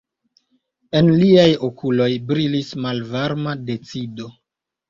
En liaj okuloj brilis malvarma decido.